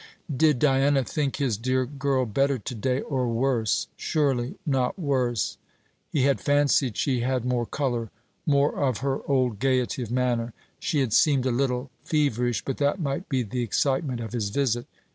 Did Diana think his dear girl better to day, or worse surely not worse? He had fancied she had more colour, more of her old gaiety of manner. She had seemed a little feverish; but that might be the excitement of his visit.